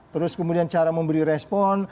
terus kemudian cara memberi respon